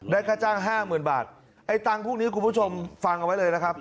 ได้ค่าจ้าง๕๐๐๐๐บาทไอตังค์พวกนี้คุณผู้ชมฟังเอาไว้เลยนะครับ